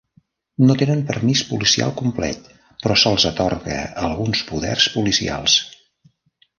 No tenen permís policial complet, però se'ls atorga alguns poders policials.